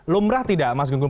lumrah tidak mas gun gun